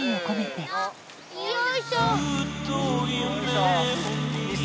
よいしょ！